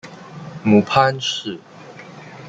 母潘氏。